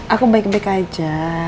aku baik baik aja